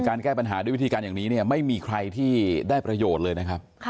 แก้ปัญหาด้วยวิธีการอย่างนี้เนี่ยไม่มีใครที่ได้ประโยชน์เลยนะครับ